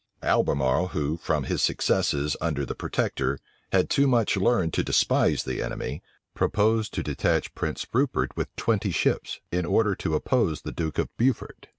Albemarle, who, from his successes under the protector, had too much learned to despise the enemy, proposed to detach Prince Rupert with twenty ships, in order to oppose the duke of Beaufort.